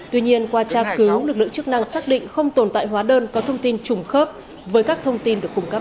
tuy nhiên qua tra cứu lực lượng chức năng xác định không tồn tại hóa đơn có thông tin trùng khớp với các thông tin được cung cấp